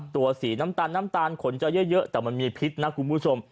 ตัวสีน้ำตาลขนจะเยอะแต่มันมีพิษนะคุณผู้ชม